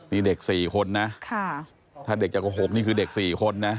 นี่เด็ก๔คนนะถ้าเด็กจะโกหกนี่คือเด็ก๔คนนะ